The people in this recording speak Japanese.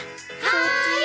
はい。